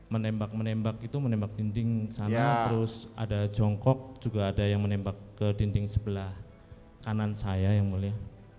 menembak menembak itu menembak dinding sana terus ada jongkok juga ada yang menembak ke dinding sebelah kanan saya yang mulia